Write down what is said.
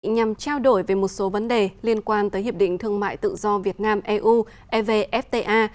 nhằm trao đổi về một số vấn đề liên quan tới hiệp định thương mại tự do việt nam eu evfta